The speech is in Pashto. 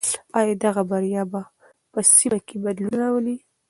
آیا دغه بریا به په سیمه کې بدلون راولي؟